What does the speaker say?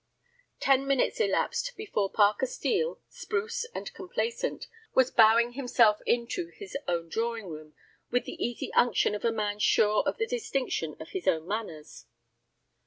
Ten minutes elapsed before Parker Steel, spruce and complacent, was bowing himself into his own drawing room with the easy unction of a man sure of the distinction of his own manners.